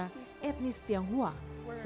sebagai representasi warga negara indonesia